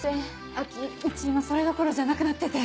亜季うち今それどころじゃなくなってて。